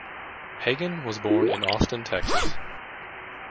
Hagan was born in Austin, Texas.